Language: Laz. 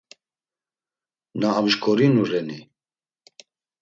Na amşkorinu reni?